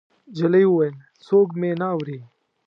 نجلۍ وويل: څوک مې نه اوري.